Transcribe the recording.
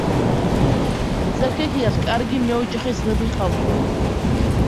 ნაცარქექიას კარგი მეოჯახე ძმები ჰყავდა.